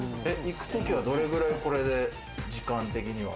行く時はどれくらい、これで時間的には。